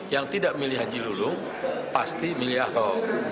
yang tidak milih haji lulung pasti milih ahok